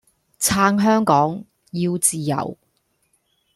撐香港，要自由